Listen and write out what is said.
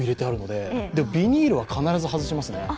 でもビニールは必ず外しますね。